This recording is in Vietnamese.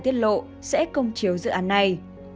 tiết lộ sẽ công chiếu dự án này